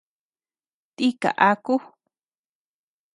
Tika aku.